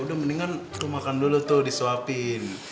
tau lu ian lu makan dulu tuh disuapin